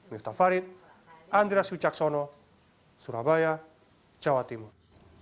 miftah farid andras wicaksono surabaya jawa timur